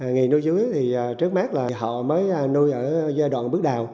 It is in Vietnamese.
người nuôi rúi trước mắt là họ mới nuôi ở giai đoạn bước đào